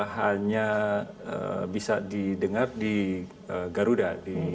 karena yang sebelum sebelumnya itu ada di garuda